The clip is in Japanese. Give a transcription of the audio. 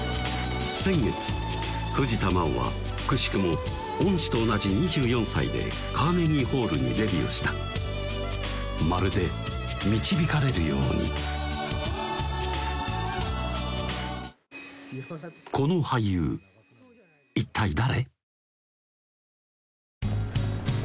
先月藤田真央はくしくも恩師と同じ２４歳でカーネギーホールにデビューしたまるで導かれるようにこの俳優一体誰？